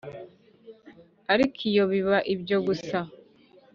ariko iyo biba ibyo gusa